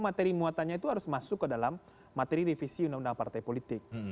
materi muatannya itu harus masuk ke dalam materi revisi undang undang partai politik